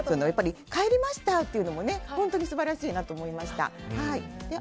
帰りましたというのも本当に素晴らしいなと思いました。